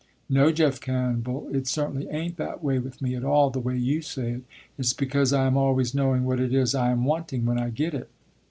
"No, Jeff Campbell, it certainly ain't that way with me at all the way you say it. It's because I am always knowing what it is I am wanting, when I get it.